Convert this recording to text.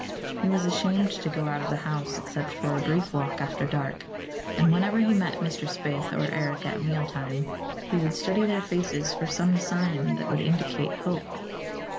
He was ashamed to go out of the house except for a brief walk after dark and whenever he met Mr. Spaythe or Eric at mealtime he would study their faces for some sign that would indicate hope.